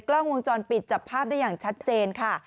กล้องวงจรปิดจับภาพได้อย่างชัดเจนค่ะ